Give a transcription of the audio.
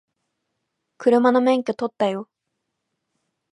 車の免許取ったよ